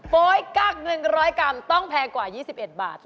โอ๊ยกั๊ก๑๐๐กรัมต้องแพงกว่า๒๑บาท